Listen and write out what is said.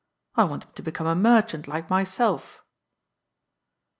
" I want him to become a merchant like myself."